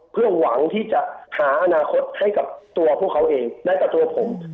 เพื่อหวังที่จะหาอนาคตให้กับตัวพวกเขาเองได้ขอโทษผม